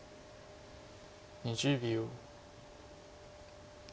２０秒。